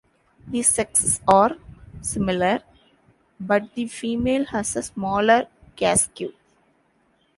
The sexes are similar, but the female has a smaller casque.